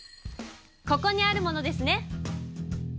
ここにあるものですね。